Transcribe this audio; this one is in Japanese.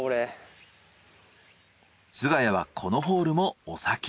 菅谷はこのホールもお先。